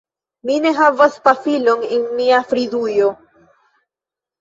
Mi ne havas pafilon en mia fridujo